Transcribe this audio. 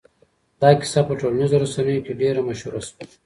دا کيسه په ټولنيزو رسنيو کې ډېره مشهوره شوه.